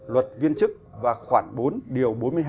luật viên chức và khoảng bốn điều bốn mươi hai